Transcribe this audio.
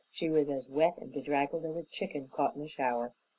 She was as wet and bedraggled as a chicken caught in a shower.